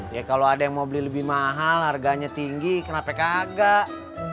ya kalau ada yang mau beli lebih mahal harganya tinggi kenapa kagak